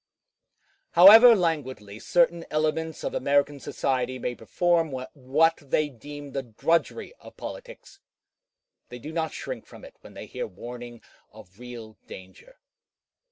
However languidly certain elements of American society may perform what they deem the drudgery of politics, they do not shrink from it when they hear warning of real danger.